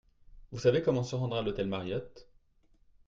Vous savez comment se rendre à l'hôtel Mariott ?